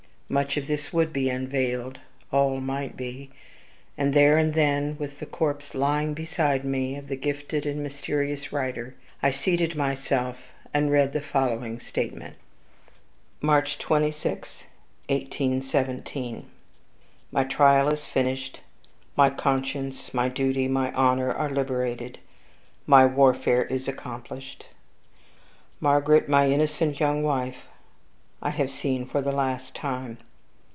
Much of this WOULD be unveiled all might be: and there and then, with the corpse lying beside me of the gifted and mysterious writer, I seated myself, and read the following statement: "MARCH 26, 1817. "My trial is finished; my conscience, my duty, my honor, are liberated; my 'warfare is accomplished.' Margaret, my innocent young wife, I have seen for the last time.